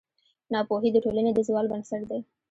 ناپوهي د ټولنې د زوال بنسټ دی.